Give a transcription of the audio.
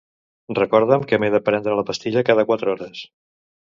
Recorda'm que m'he de prendre la pastilla cada quatre hores.